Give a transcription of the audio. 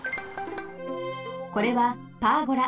これはパーゴラ。